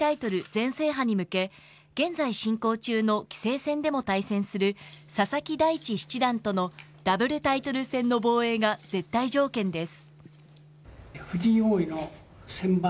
全制覇に向け現在進行中の棋聖戦でも対戦する佐々木大地七段とのダブルタイトル戦の防衛が絶対条件です。